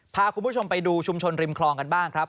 พาคุณผู้ชมไปดูชุมชนริมคลองกันบ้างครับ